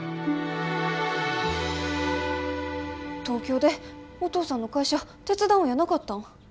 東京でお父さんの会社手伝うんやなかったん？